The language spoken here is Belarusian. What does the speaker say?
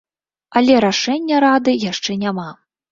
Але рашэння рады яшчэ няма.